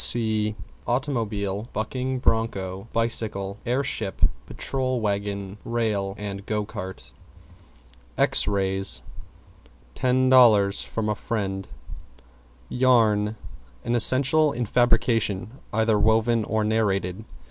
See Automobile, Bucking Broncho, Bicycle, Air Ship, Patrol Wagon, Rail, and Go Cart. =X RAYS= Ten dollars from a friend. =YARN= An essential in fabrication either woven or narrated.